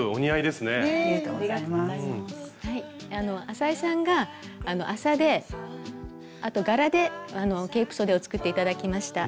浅井さんが麻であと柄でケープそでを作って頂きました。